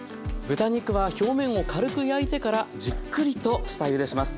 豚肉は表面を軽く焼いてからじっくりと下ゆでします。